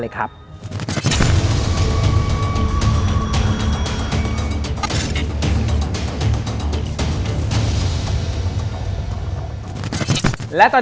ดิงกระพวน